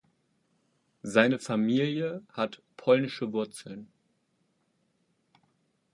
Seine Familie hat polnische Wurzeln.